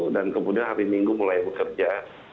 dan kemudian hari minggu mulai bekerja